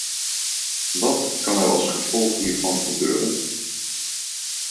Wat kan er als gevolg hiervan gebeuren?